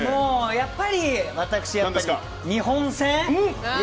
やっぱり私は日本戦。